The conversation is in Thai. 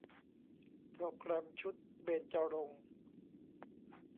โปรแกรมชุดเบญจรงค์